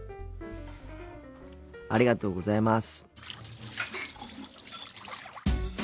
ありがとうございます。